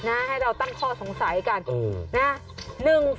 ใช่ไหมนะให้เราตั้งข้อสงสัยกันนะ